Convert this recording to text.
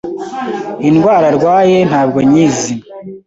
Indwara arwaye ntabwo nyizi